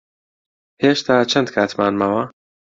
هێشتا چەند کاتمان ماوە؟